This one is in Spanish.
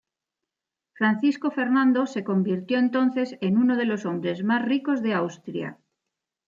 Francisco Fernando se convirtió entonces en uno de los hombres más ricos de Austria.